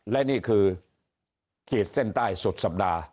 และนี่คือขีดเส้นใต้สุดสัปดาห์